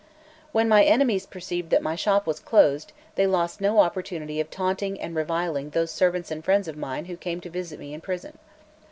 When my enemies perceived that my shop was closed, they lost no opportunity of taunting and reviling those servants and friends of mine who came to visit me in prison.